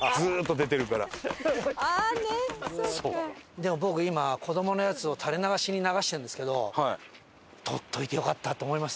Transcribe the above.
でも僕今子どものやつを垂れ流しに流してるんですけど撮っておいてよかったと思います。